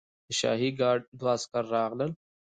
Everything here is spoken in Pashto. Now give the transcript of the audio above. د شاهي ګارډ دوه عسکر راغلل.